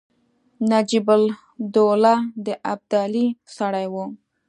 نجیب الدوله د ابدالي سړی وو.